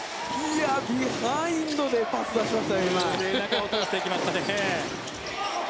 ビハインドでパス出しましたね。